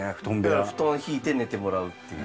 布団敷いて寝てもらうっていう。